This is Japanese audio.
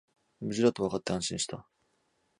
無事だとわかって安心した